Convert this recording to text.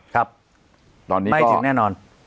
ครับไม่ถึงแน่นอน